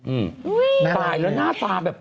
ตายแล้วหน้าตาแบบ